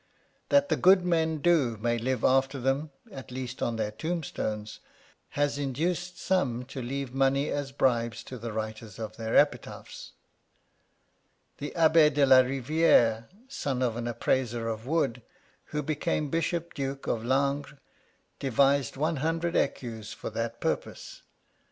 That the good men do may live after them, at least on their tombstones, has induced some to leave money as bribes to the writers of their epitaphs. 52 Strange Wills The Abb6 de la Riviere, son of an appraiser of wood, who became Bishop duke of Langres, devised lOO 6cus for that purpose.